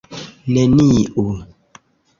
neniu